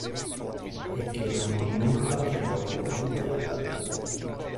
È che non ho nulla che voglio che tu veda.